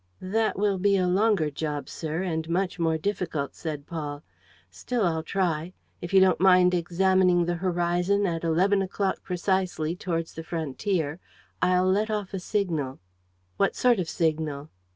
"That will be a longer job, sir, and much more difficult," said Paul. "Still, I'll try. If you don't mind examining the horizon, at eleven o'clock precisely, towards the frontier, I'll let off a signal." "What sort of signal?"